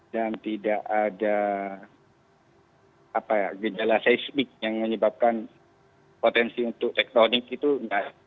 dan tidak ada apa ya gejala seismik yang menyebabkan potensi untuk tektonik itu enggak ada